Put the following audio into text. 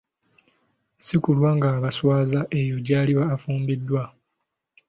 Si kulwa ng'abaswaza eyo gy'aliba afumbiddwa.